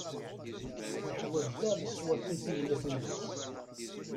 Neḥwaǧ da leṣwat untiyen a tullas!